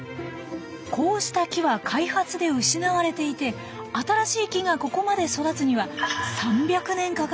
こうした木は開発で失われていて新しい木がここまで育つには３００年かかるといわれています。